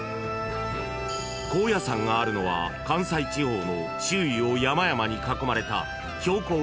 ［高野山があるのは関西地方の周囲を山々に囲まれた］